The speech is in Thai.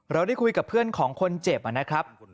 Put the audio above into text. เราได้คุยกับเพื่อนของคนเจ็บนะครับ